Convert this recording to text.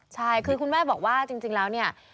ใช่คือคุณแม่บอกว่าจริงแล้วเนี่ย